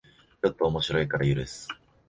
ちょっと面白いから許す